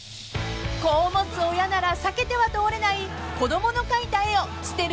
［子を持つ親なら避けては通れない子供の描いた絵を捨てる捨てない問題］